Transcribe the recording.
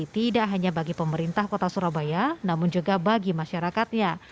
tidak hanya bagi pemerintah kota surabaya namun juga bagi masyarakatnya